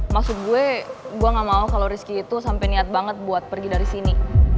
maksud gue gue gak mau kalau rizky itu sampai niat banget buat pergi dari sini